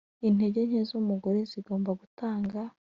intege nke z'umugore zigomba gutanga,